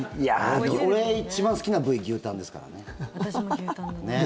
俺、一番好きな部位牛タンですからね。